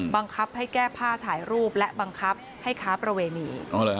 บังคับให้แก้ผ้าถ่ายรูปและบังคับให้ค้าประเวณี